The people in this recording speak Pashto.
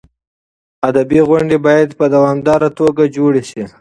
ادبي غونډې باید په دوامداره توګه جوړې شي.